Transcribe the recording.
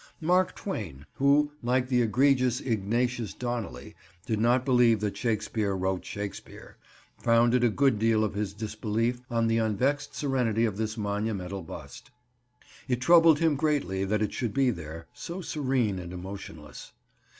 Mark Twain, who, like the egregious Ignatius Donnelly, did not believe that Shakespeare wrote Shakespeare, founded a good deal of his disbelief on the unvexed serenity of this monumental bust. It troubled him greatly that it should be there, so serene and emotionless.